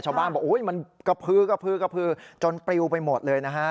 ชาวบ้านบอกมันกระพื้นจนปริวไปหมดเลย